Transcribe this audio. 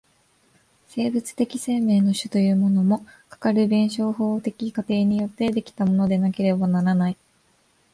生物的生命の種というものも、かかる弁証法的過程によって出来たものでなければならない。